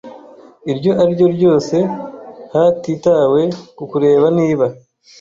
iryo ari ryo ryose hatitawe ku kureba niba